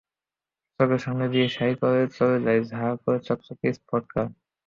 চোখের সামনে দিয়ে শাঁই করে চলে যায় ঝাঁ চকচকে স্পোর্টস কার।